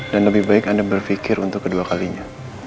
dan lebih baik anda berpikir untuk kedua kalinya